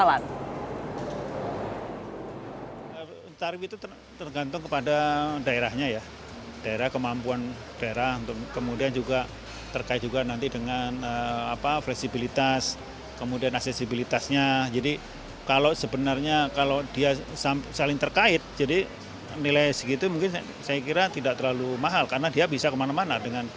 atau justru masih kemahalan